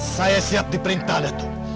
saya siap diperintah datuk